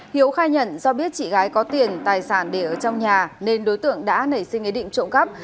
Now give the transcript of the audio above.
hiếu khai nhận do biết chị gái có tiền tài sản để ở trong nhà nên đối tượng đã nảy sinh ý định trộm cắp